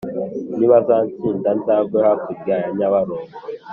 nibazansinda nzagwe hakurya ya nyabarongo.